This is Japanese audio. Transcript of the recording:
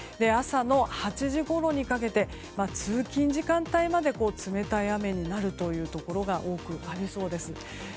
朝の８時ごろにかけて通勤時間帯まで冷たい雨になるところが多くなりそうです。